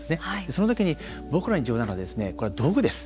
その時に僕らに重要なのはこれは道具です。